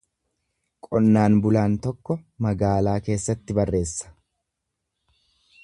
Qonnaan bulaan tokko magaalaa keessatti barreessa.